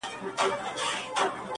دا څه خبره ده، بس ځان خطا ايستل دي نو،